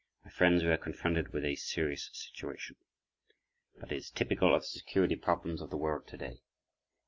My friends, we are confronted with a serious situation. But it is typical of the security problems of the world today.